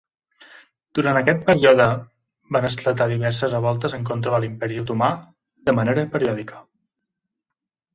Durant aquest període van esclatar diverses revoltes en contra l'imperi otomà de manera periòdica.